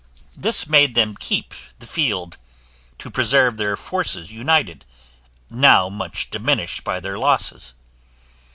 This made them keep the field, to preserve their forces united, now much diminished by their losses.